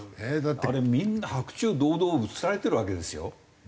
あれみんな白昼堂々映されてるわけですよ？